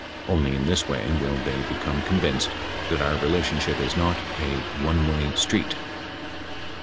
Only in this way will they become con vinced that our relationship is not "a one way street."